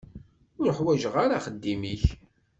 Ur ḥwaǧeɣ ara axeddim-ik.